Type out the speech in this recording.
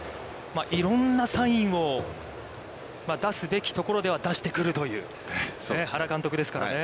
いろんなサインを出すべきところでは出してくるという原監督ですからね。